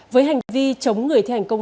với hành vi chống người thi hành công